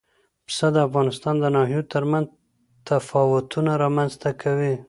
پسه د افغانستان د ناحیو ترمنځ تفاوتونه رامنځ ته کوي.